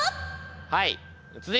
はい。